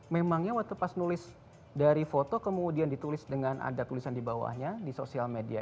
memangnya waktu pas nulis dari foto kemudian ditulis dengan ada tulisan di bawahnya di sosial media